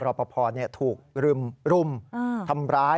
รอปภถูกรุมทำร้าย